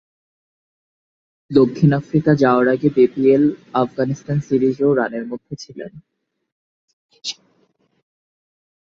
দক্ষিণ আফ্রিকা যাওয়ার আগে বিপিএল, আফগানিস্তান সিরিজেও রানের মধ্যে ছিলেন।